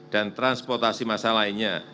dan transportasi masyarakat lainnya